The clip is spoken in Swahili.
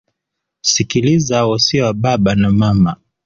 Sikiliza wosia wa baba na mama